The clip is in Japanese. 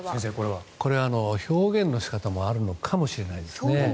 これは、表現の仕方もあるのかもしれないですね。